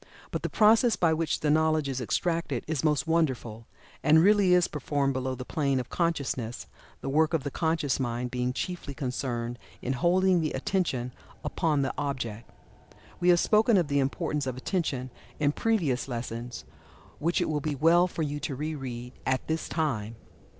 But the process by which the knowledge is extracted is most wonderful, and really is performed below the plane of consciousness, the work of the conscious mind being chiefly concerned in holding the Attention upon the object. We have spoken of the importance of Attention in previous lessons, which it will be well for you to re read, at this time.